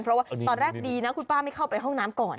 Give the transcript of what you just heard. เพราะว่าตอนแรกดีนะคุณป้าไม่เข้าไปห้องน้ำก่อน